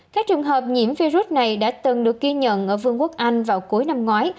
các trường hợp nhiễm virus này đã từng được ghi nhận ở vương quốc anh vào cuối năm ngoái